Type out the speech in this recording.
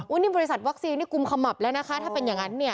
อุณิบริษัทวัคซีนี่กุมขมับแล้วนะคะถ้าเป็นอย่างนั้น